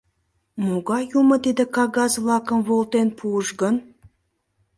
Могай юмо тиде кагаз-влакым волтен пуыш гын?